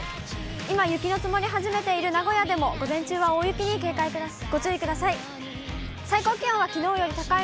今雪の積もり始めている名古屋でも午前中は大雪にご注意ください。